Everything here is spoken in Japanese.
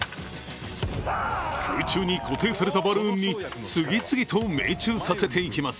空中に固定されたバルーンに次々と命中させていきます。